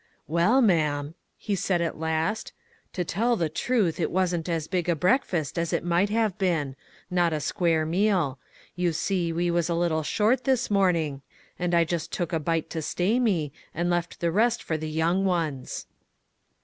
"Well, ma'am," he said at last, "to tell 24 MISS WAINWRIGHT'S "MUDDLE." 25 the truth, it wasn't as big a breakfast as it might have been ; not a square meal. You see we was a little short this morning, and I just took a bite to stay me, and left the rest for the young ones."